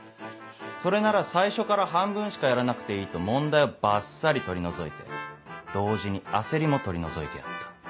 それなら最初から半分しかやらなくていいと問題をバッサリ取り除いて同時に焦りも取り除いてやった。